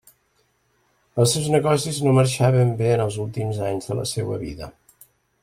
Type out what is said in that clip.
Els seus negocis no marxaven bé en els últims anys de la seua vida.